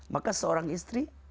maka seorang istri